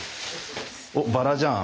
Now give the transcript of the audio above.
おっバラじゃん。